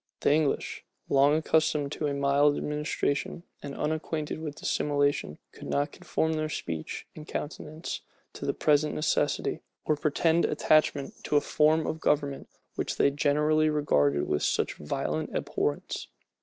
The English, long accustomed to a mild administration, and unacquainted with dissimulation, could not conform their speech and countenance to the present necessity, or pretend attachment to a form of government which they generally regarded with such violent abhorrence.